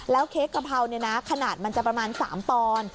เค้กกะเพราเนี่ยนะขนาดมันจะประมาณ๓ปอนด์